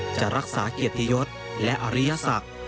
จะรักษาเกียรติยศและอริยศักดิ์